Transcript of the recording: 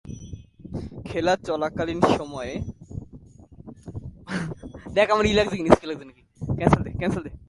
খেলা চলাকালীন মাঠে দুইজন আম্পায়ার অবস্থান করে খেলা পরিচালনা করে থাকেন।